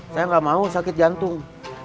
saya nggak mau sakit jantung